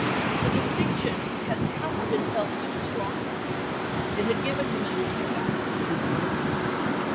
The distinction had perhaps been felt too strongly. It had given him a disgust to his business....